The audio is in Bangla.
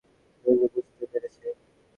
লুলু বুঝতে পেরেছে।